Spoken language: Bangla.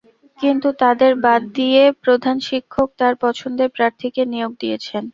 কিন্তু তাঁদের বাদ দিয়ে প্রধান শিক্ষক তাঁর পছন্দের প্রার্থীকে নিয়োগ দিয়েছেন।